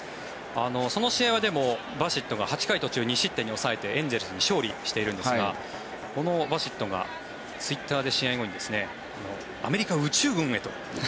その試合はバシットが８回途中２失点に抑えてエンゼルスに勝利しているんですがこのバシットがツイッターで試合後にアメリカ宇宙軍へと。